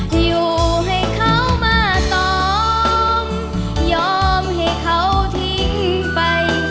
อยู่ให้เขามาตอมยอมให้เขาทิ้งไป